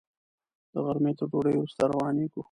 د غرمې تر ډوډۍ وروسته روانېږو.